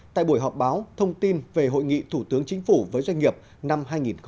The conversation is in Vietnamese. tại buổi họp báo thông tin về hội nghị thủ tướng chính phủ với doanh nghiệp năm hai nghìn hai mươi